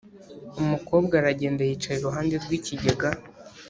umukobwa aragenda, yicara iruhande rw’ikigega